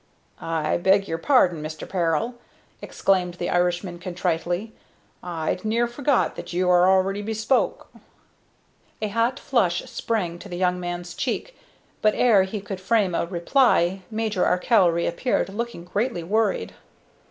"I beg your pardon, Mister Peril," exclaimed the Irishman, contritely; "I'd near forgot that you was already bespoke." A hot flush sprang to the young man's cheek, but ere he could frame a reply Major Arkell reappeared, looking greatly worried.